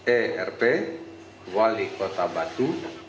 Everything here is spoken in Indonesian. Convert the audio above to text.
erp wali kota batu